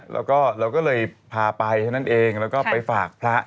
เราก็เลยพาไปแล้วก็ไปฝากพระ